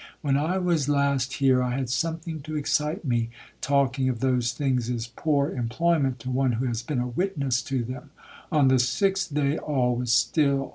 When I was last here I had something to excite me;—talking of those things is poor employment to one who has been a witness to them. On the sixth day all was still.